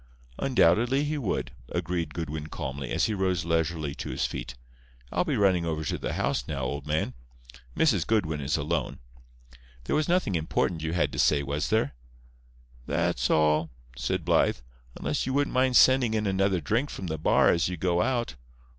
"Undoubtedly, he would," agreed Goodwin calmly, as he rose leisurely to his feet. "I'll be running over to the house now, old man. Mrs. Goodwin is alone. There was nothing important you had to say, was there?" "That's all," said Blythe. "Unless you wouldn't mind sending in another drink from the bar as you go out.